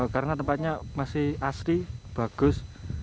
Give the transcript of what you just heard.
karena tempatnya masih asli bagus